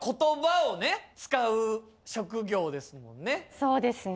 そうですね。